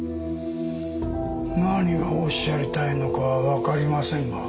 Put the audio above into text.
何がおっしゃりたいのかはわかりませんが。